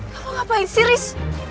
kamu ngapain siris